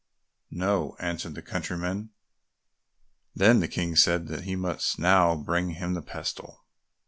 "No," answered the countryman. Then the King said that he must now bring him the pestle.